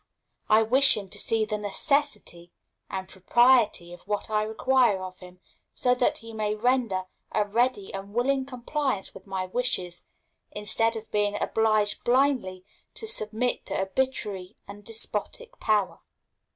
"I wish him to see the necessity and propriety of what I require of him, so that he may render a ready and willing compliance with my wishes, instead of being obliged blindly to submit to arbitrary and despotic power."